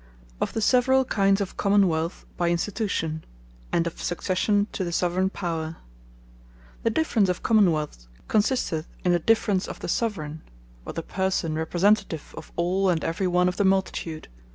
OF THE SEVERALL KINDS OF COMMON WEALTH BY INSTITUTION, AND OF SUCCESSION TO THE SOVERAIGNE POWER The Different Formes Of Common wealths But Three The difference of Common wealths, consisteth in the difference of the Soveraign, or the Person representative of all and every one of the Multitude.